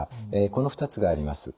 この２つがあります。